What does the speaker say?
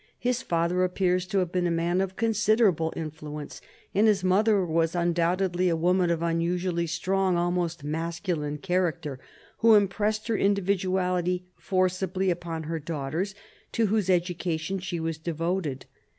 His father appears to have been a man of considerable influence, and his mother was undoubtedly a woman of unusually strong, almost masculine character, who impressed her in dividuality forcibly upon her daughters, to whose education she was devoted.